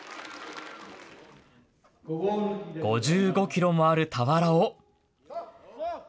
５５キロもある俵を。